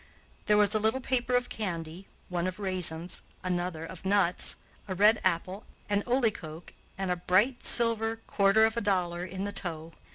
There was a little paper of candy, one of raisins, another, of nuts, a red apple, an olie koek, and a bright silver quarter of a dollar in the toe.